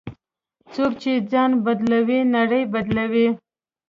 څوک چې ځان بدلوي، نړۍ بدلوي.